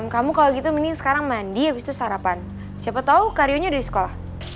kamu kalau gitu mending sekarang mandi abis itu sarapan siapa tau kario nya udah di sekolah